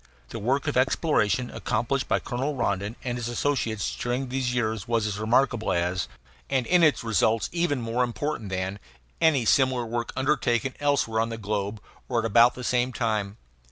The work of exploration accomplished by Colonel Rondon and his associates during these years was as remarkable as, and in its results even more important than, any similar work undertaken elsewhere on the globe at or about the same time.